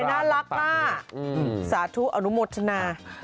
น่ารักมากสาธุอนุโมทนา